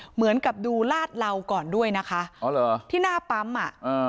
เหมือนกับดูลาดเหลาก่อนด้วยนะคะอ๋อเหรอที่หน้าปั๊มอ่ะอ่า